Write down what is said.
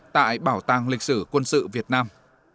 tại bảo tàng lịch sử quân sự việt nam